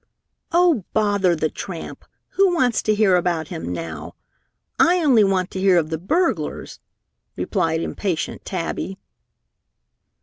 "Oh, bother the tramp! Who wants to hear about him now? I only want to hear of the burglars," replied impatient Tabby.